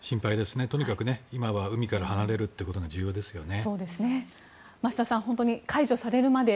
今はとにかく海から離れるということが重要ですよね。